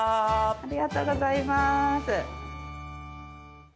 ありがとうございます！